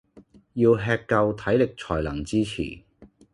要吃夠體力才能支持